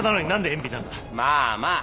まあまあ。